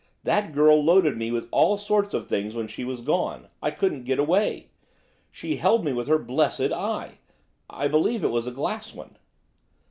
That girl loaded me with all sorts of things when she was gone, I couldn't get away. She held me with her blessed eye. I believe it was a glass one.